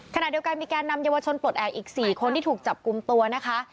ขณะเดียวกันมีแกนนำเยาวชนปลดแอบอีก๔คนที่ถูกจับกลุ่มตัวนะคะ